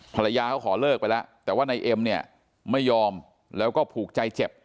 ภรรยาเขาขอเลิกไปแล้วแต่ว่านายเอ็มเนี่ยไม่ยอมแล้วก็ผูกใจเจ็บ